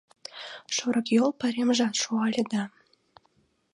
Шорыкйол пайремжат шуале да